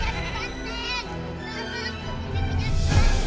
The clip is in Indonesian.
ini kejadian banteng